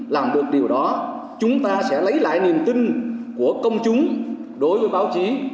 làm được điều đó chúng ta sẽ lấy lại niềm tin của công chúng đối với báo chí